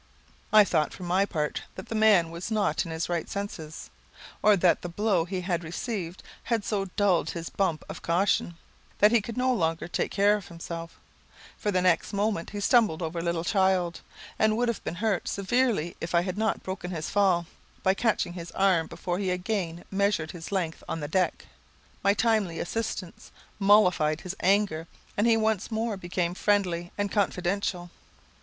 I thought, for my part, that the man was not in his right senses, or that the blow he had received had so dulled his bump of caution, that he could no longer take care of himself; for the next moment he stumbled over a little child, and would have been hurt severely if I had not broken his fall, by catching his arm before he again measured his length on the deck. My timely assistance mollified his anger, and he once more became friendly and confidential.